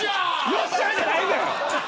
よっしゃじゃないんだよ。